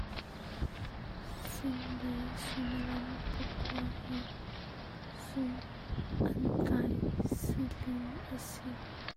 Zinglei suimilam pakua hi zung an kai saling a si.